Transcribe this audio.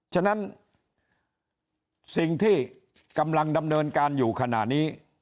ฉะนั้นสิ่งที่กำลังดำเนินการอยู่ขณะนี้